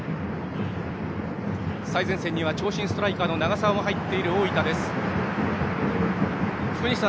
最前線には長身ストライカーの長沢も入っているトリニータ。